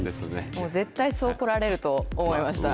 もう絶対そうこられると思いました。